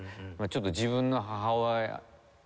ちょっと自分の母親の事を